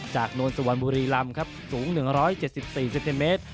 นวลสุวรรณบุรีลำครับสูง๑๗๔เซนติเมตร